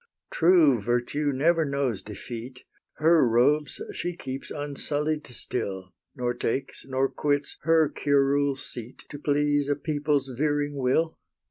True Virtue never knows defeat: HER robes she keeps unsullied still, Nor takes, nor quits, HER curule seat To please a people's veering will.